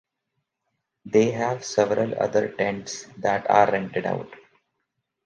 They have several other tents that are rented out.